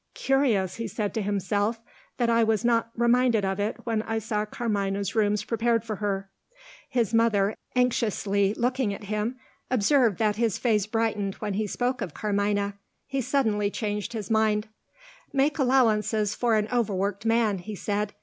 "Curious," he said to himself, "that I was not reminded of it, when I saw Carmina's rooms prepared for her." His mother, anxiously looking at him, observed that his face brightened when he spoke of Carmina. He suddenly changed his mind. "Make allowances for an overworked man," he said.